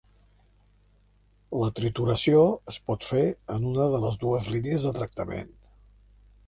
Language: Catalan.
La trituració es pot fer en una de les dues línies de tractament.